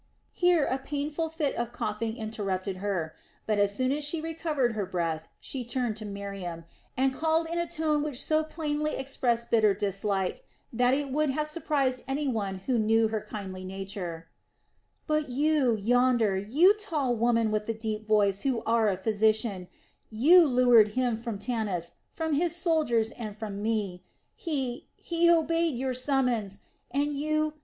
Here a painful fit of coughing interrupted her; but as soon as she recovered her breath, she turned to Miriam, and called in a tone which so plainly expressed bitter dislike, that it would have surprised any one who knew her kindly nature: "But you, yonder, you tall woman with the deep voice who are a physician, you lured him from Tanis, from his soldiers and from me. He, he obeyed your summons. And you...